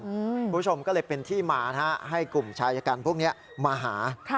คุณผู้ชมก็เลยเป็นที่มาให้กลุ่มชายกันพวกนี้มาหา